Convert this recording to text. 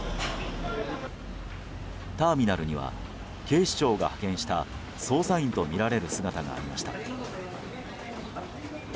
ターミナルには警視庁が派遣した捜査員とみられる姿がありました。